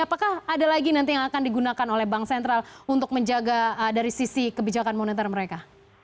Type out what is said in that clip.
apakah ada lagi nanti yang akan digunakan oleh bank sentral untuk menjaga dari sisi kebijakan moneter mereka